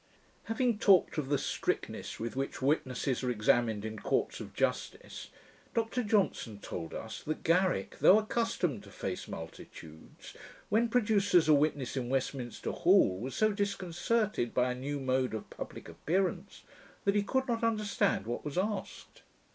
] Having talked of the strictness with which witnesses are examined in courts of justice, Dr Johnson told us, that Garrick, though accustomed to face multitudes, when produced as a witness in Westminster Hall, was so disconcerted by a new mode of publick appearance, that he could not understand what was asked.